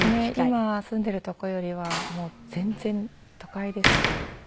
今住んでいる所よりはもう全然都会です。